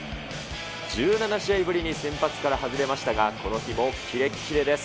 １７試合ぶりに先発から外れましたが、この日もキレッキレです。